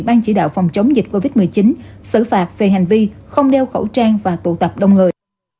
ban chỉ đạo phòng chống dịch covid một mươi chín xử phạt về hành vi không đeo khẩu trang và tụ tập đông người